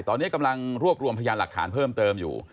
ตอนนี้กำลังรวบรวมพยานหลักฐานเพิ่มเติมอยู่